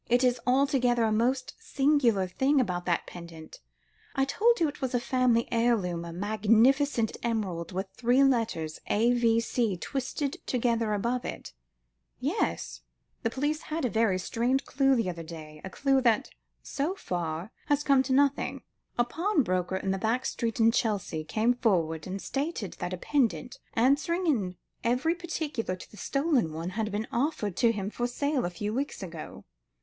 It is altogether a most singular thing about that pendant. I told you it was a family heirloom, a magnificent emerald with three letters A.V.C. twisted together above it." "Yes?" "The police had a very strange clue the other day, a clue that, so far, has come to nothing. A pawnbroker in a back street in Chelsea, came forward, and stated that a pendant, answering in every particular to the stolen one, had been offered to him for sale, a few weeks ago."